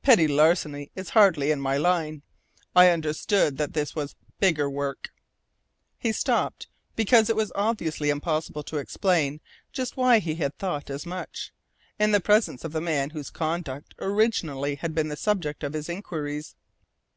Petty larceny is hardly in my line. I understood that this was bigger work " He stopped, because it was obviously impossible to explain just why he had thought as much, in the presence of the man whose conduct, originally, had been the subject of his inquiries.